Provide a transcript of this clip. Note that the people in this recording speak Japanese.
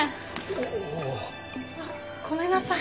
おお。あごめんなさい。